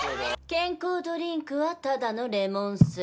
健康ドリンクはただのレモン水。